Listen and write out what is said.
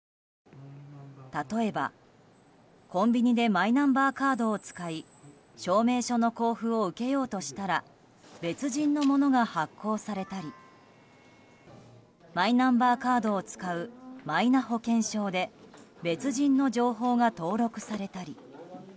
例えば、コンビニでマイナンバーカードを使い証明書の交付を受けようとしたら別人のものが発行されたりマイナンバーカードを使うマイナ保険証で別人の情報が登録されたり。